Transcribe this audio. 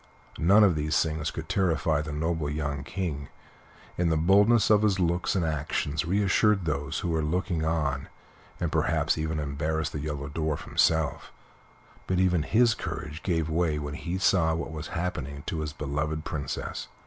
None of these things could terrify the noble young King, and the boldness of his looks and actions reassured those who were looking on, and perhaps even embarrassed the Yellow Dwarf himself; but even his courage gave way when he saw what was happening to his beloved Princess.